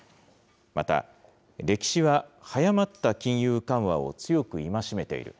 また、歴史は早まった金融緩和を強く戒めている。